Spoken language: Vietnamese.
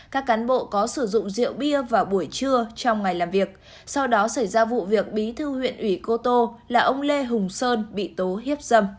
các cán bộ có sử dụng rượu bia vào buổi trưa trong ngày làm việc sau đó xảy ra vụ việc bí thư huyện ủy cô tô là ông lê hùng sơn bị tố hiếp dâm